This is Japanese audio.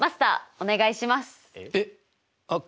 お願いします。